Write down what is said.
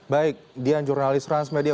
baik dian jurnalis transmedia